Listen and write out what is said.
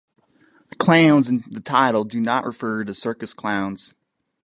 The "clowns" in the title do not refer to circus clowns.